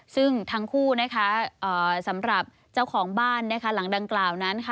ซึ่งทั้งคู่สำหรับเจ้าของบ้านหลังดังกล่าวนั้น